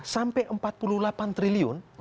sampai empat puluh delapan triliun